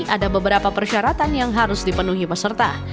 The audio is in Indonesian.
ada beberapa persyaratan yang harus dipenuhi peserta